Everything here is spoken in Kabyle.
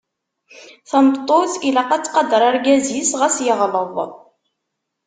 Tameṭṭut ilaq ad tqader argaz-is ɣas yeɣleḍ.